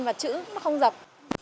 và chữ nó không dập